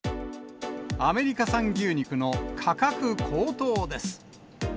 アメリカ産牛肉の価格高騰です。